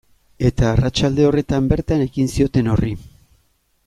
Eta arratsalde horretan bertan ekin zioten horri.